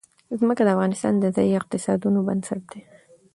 ځمکه د افغانستان د ځایي اقتصادونو بنسټ دی.